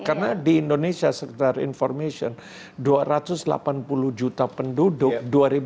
karena di indonesia sekitar information dua ratus delapan puluh juta penduduk dua dua ratus